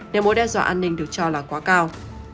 nếu mối đe dọa an ninh được cho là quá cao